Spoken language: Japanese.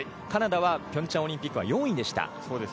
カナダはピョンチャンオリンピックは４位でした。